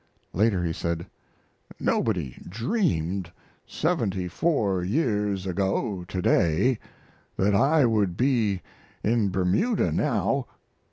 Later he said: "Nobody dreamed, seventy four years ago to day, that I would be in Bermuda now."